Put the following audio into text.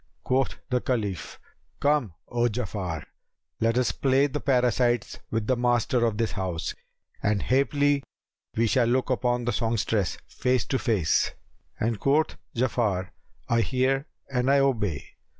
Quoth the Caliph, "Come, O Ja'afar, let us play the parasites with the master of this house; and haply we shall look upon the songstress, face to face;" and quoth Ja'afar, "I hear and I obey."